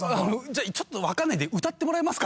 「じゃあちょっと分かんないんで歌ってもらえますか」